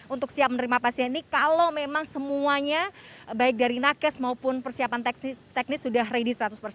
untuk siap menerima pasien ini kalau memang semuanya baik dari nakes maupun persiapan teknis sudah ready